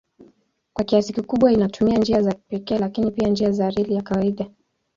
Kwa kiasi kikubwa inatumia njia za pekee lakini pia njia za reli ya kawaida.